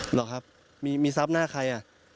เหรอครับมีทรัพย์หน้าใครอ่ะ